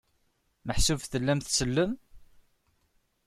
Meḥsub tellam tsellem?